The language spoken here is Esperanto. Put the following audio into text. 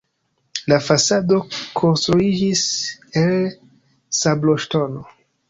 La fasado konstruiĝis el sabloŝtono.